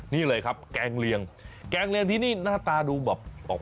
นี่เลยครับแกงเลียงแกงเลียงที่นี่หน้าตาดูแบบออก